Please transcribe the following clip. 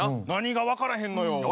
何が分からへんのよ。